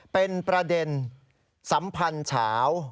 เป็นประเด็นสัมพันธ์เฉา